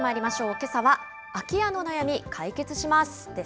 けさは、空き家の悩み解決しますです。